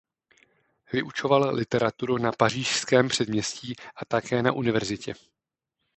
Vyučoval literaturu na pařížském předměstí a také na univerzitě.